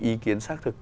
ý kiến xác thực